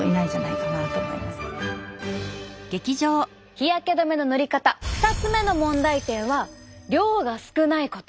日焼け止めの塗り方２つ目の問題点は量が少ないこと！